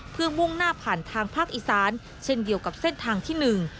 เพื่อมุ่งหน้าผ่านทางภาคอีสานเช่นเดียวกับเส้นทางที่หนึ่ง